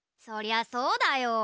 そりゃそうだよ。